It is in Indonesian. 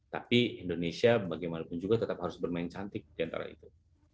tapi indonesia bagaimanapun juga tetap harus bermain cantik diantara itu